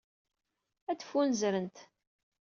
Ad ffunzrent.